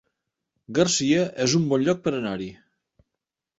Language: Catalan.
Garcia es un bon lloc per anar-hi